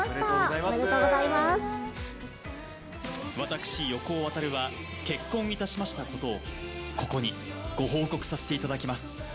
おめでとうご私、横尾渉は、結婚いたしましたことをここにご報告させていただきます。